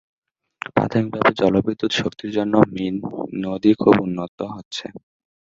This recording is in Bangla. প্রাথমিকভাবে জলবিদ্যুৎ শক্তির জন্য, মিন নদী খুব উন্নত হচ্ছে।